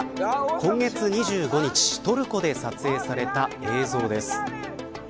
今月２５日トルコで撮影された映像です。